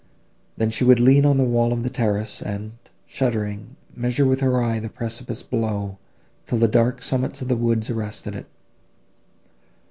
Then she would lean on the wall of the terrace, and, shuddering, measure with her eye the precipice below, till the dark summits of the woods arrested it.